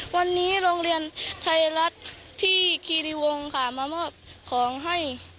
วันนี้โรงเรียนไทยรัฐที่คีรีวงค่ะมามอบของให้